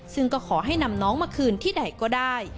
ซึ่งก็ขอให้นำน้องมาคืนที่ใดก็ได้